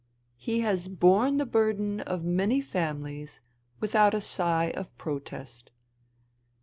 He has borne the burden of many families without a sigh of protest.